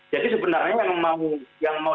jadi sebenarnya yang mau